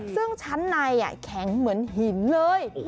ซึ่งชั้นในแข็งเหมือนหินเลย